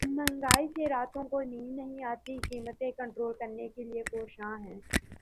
مہنگائی سے رات کو نیند نہیں آتی قیمتیں کنٹرول کرنے کے لیے کوشاں ہیں